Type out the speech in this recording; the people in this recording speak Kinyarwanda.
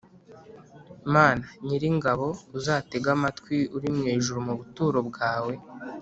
Mana Nyiringabo uzatege amatwi uri mu ijuru mu buturo bwawe